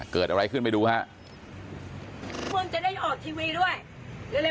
เกิดอะไรขึ้นไปดูครับ